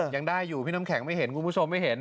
ยังได้อยู่พี่น้ำแข็งไม่เห็นคุณผู้ชมไม่เห็น